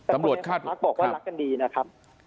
แต่คนในหอพักบอกว่ารักกันดีนะครับ